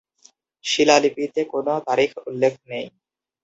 শিলালিপিতে কোন তারিখ উল্লেখ নেই।